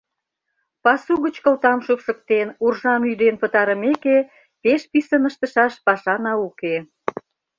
Пасу гыч кылтам шупшыктен, уржам ӱден пытарымеке, пеш писын ыштышаш пашана уке.